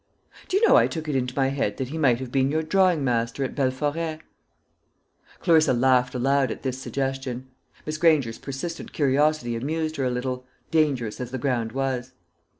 "Do you know, I took it into my head that he might have been your drawing master at Belforêt." Clarissa laughed aloud at this suggestion. Miss Granger's persistent curiosity amused her a little, dangerous as the ground was.